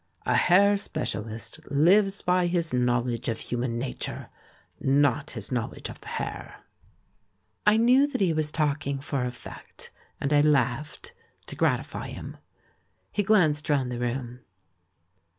A hair specialist lives by his knowledge of human nature, not his knowledge of the hair." 378 THE :\IAX WHO UNDERSTOOD WOMEN I knew that he was talking for effect and I laughed, to gratifj^ him. He glanced round the room.